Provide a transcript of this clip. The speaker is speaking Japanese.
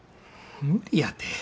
無理やて。